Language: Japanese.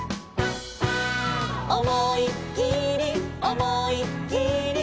「おもいっきりおもいっきり」